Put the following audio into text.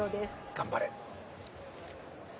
頑張れ！